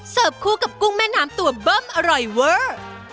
คู่กับกุ้งแม่น้ำตัวเบิ้มอร่อยเวอร์